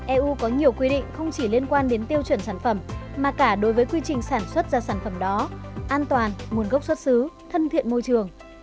eu có nhiều quy định không chỉ liên quan đến tiêu chuẩn sản phẩm mà cả đối với quy trình sản xuất ra sản phẩm đó an toàn nguồn gốc xuất xứ thân thiện môi trường